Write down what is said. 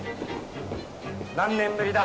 何年ぶりだ？